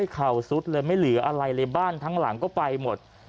เข่าซุดเลยไม่เหลืออะไรเลยบ้านทั้งหลังก็ไปหมด